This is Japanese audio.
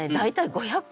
５００